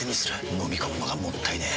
のみ込むのがもったいねえ。